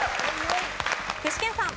具志堅さん。